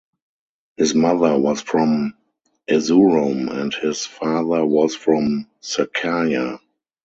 His mother was from Erzurum and his father was from Sakarya.